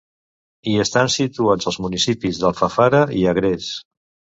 Hi estan situats els municipis d'Alfafara i Agres.